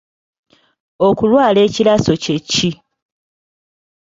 Okulwala ekiraso kye ki?